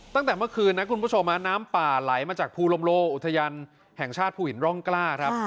ตั้งแต่เมื่อคืนนะคุณผู้ชมน้ำป่าไหลมาจากภูลมโลอุทยานแห่งชาติภูหินร่องกล้าครับ